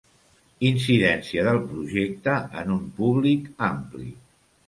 Incidència del projecte en un públic ampli.